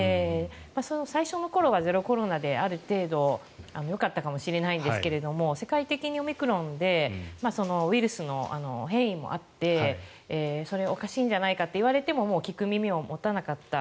最初の頃はゼロコロナである程度よかったかもしれないですが世界的にオミクロンでウイルスの変異もあってそれ、おかしいんじゃないかと言われても聞く耳を持たなかった。